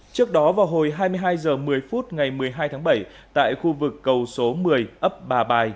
trước đó vào hồi hai mươi hai h một mươi phút ngày một mươi hai tháng bảy tại khu vực cầu số một mươi ấp bà bài